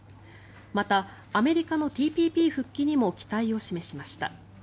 また、アメリカのＴＰＰ復帰にも期待を示しました。